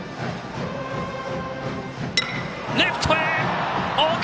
レフトへ！